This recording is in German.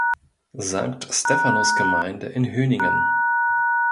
Sankt Stephanus-Gemeinde in Hoeningen.